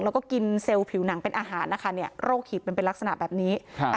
แล้วก็กินเซลล์ผิวหนังเป็นอาหารนะคะเนี่ยโรคหีบมันเป็นลักษณะแบบนี้ครับ